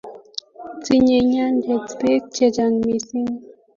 Tinyei nyanjet beek chechang missing